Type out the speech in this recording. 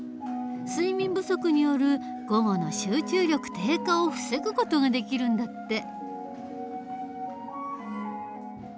睡眠不足による午後の集中力低下を防ぐ事ができるんだって。